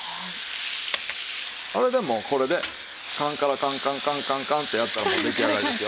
それでもうこれでカンカラカンカンカンカンカンとやったらもう出来上がりですよ。